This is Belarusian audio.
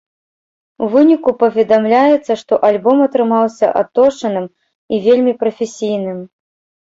У выніку, паведамляецца, што альбом атрымаўся адточаным і вельмі прафесійным.